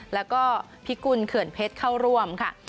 แล้วก็พิกุลเขื่อนเพชรเข้าร่วมค่ะ